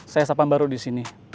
saya sapan baru disini